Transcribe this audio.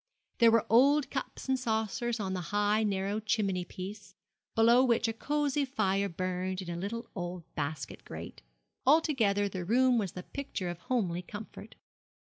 There were old cups and saucers on the high, narrow chimney piece, below which a cosy fire burned in a little old basket grate. Altogether the room was the picture of homely comfort.